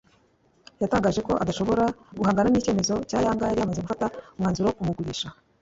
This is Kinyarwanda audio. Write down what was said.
yatangaje ko adashobora guhangana n’icyemezo cya Yanga yari yamaze gufata umwanzuro wo kumugurisha